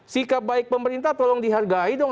sikap baik pemerintah tolong dihargai dong